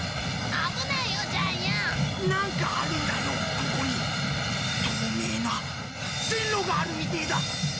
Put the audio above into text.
透明な線路があるみてえだ。